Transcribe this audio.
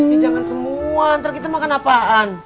ini jangan semua ntar kita makan apaan